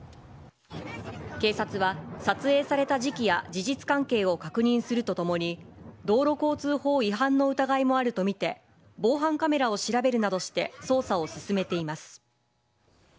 警察は、撮影された時期や事実関係を確認するとともに、道路交通法違反の疑いもあると見て、防犯カメラを調べるなどして、捜査を進めています。